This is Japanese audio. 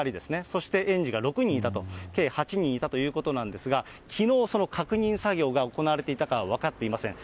そして園児が６人いたと、計８人いたということなんですが、きのう、その確認作業が行われていたかは分かっていません。